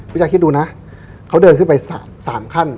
อาจารย์คิดดูนะเขาเดินขึ้นไป๓ขั้น